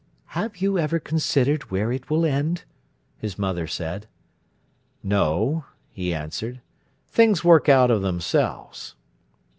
"Have you ever considered where it will end?" his mother said. "No," he answered; "things work out of themselves."